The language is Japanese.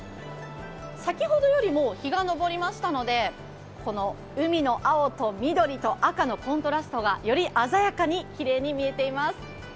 先ほどよりも日が昇りましたので、海の青と緑と赤のコントラストがより鮮やかに、きれいに見えています。